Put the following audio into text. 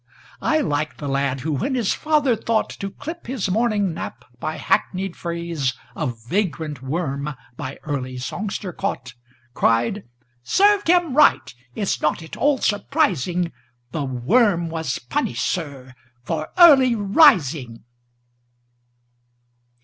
I like the lad who, when his father thoughtTo clip his morning nap by hackneyed phraseOf vagrant worm by early songster caught, Cried, "Served him right!—it 's not at all surprising; The worm was punished, sir, for early rising!"